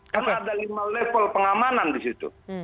kan ada lima level pengamanan di situ